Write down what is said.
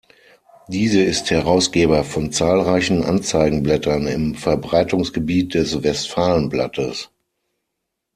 Diese ist Herausgeber von zahlreichen Anzeigenblättern im Verbreitungsgebiet des Westfalen-Blattes.